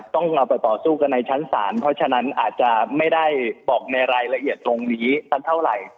เราไปต่อสู้กันในชั้นศาลเพราะฉะนั้นอาจจะไม่ได้บอกในรายละเอียดตรงนี้สักเท่าไหร่